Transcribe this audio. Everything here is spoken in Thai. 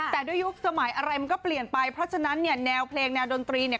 แต่ด้วยยุคสมัยอะไรมันก็เปลี่ยนไปเพราะฉะนั้นเนี่ยแนวเพลงแนวดนตรีเนี่ย